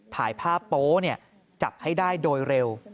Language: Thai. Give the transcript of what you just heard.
ถ่ายภาพโป๊จับให้ได้โดยเร็ว